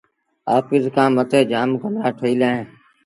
آڦيٚس کآݩ مٿي جآم ڪمرآ ٺهيٚل اوهيݩ